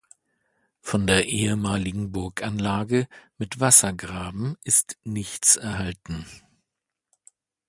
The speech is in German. Von der ehemaligen Burganlage mit Wassergraben ist nichts erhalten.